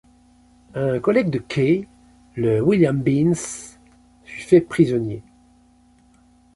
Un collègue de Key, le William Beanes, fut fait prisonnier.